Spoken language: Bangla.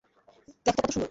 দেখতে কতো সুন্দর।